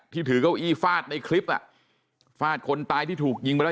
ถือเก้าอี้ฟาดในคลิปอ่ะฟาดคนตายที่ถูกยิงไปแล้ว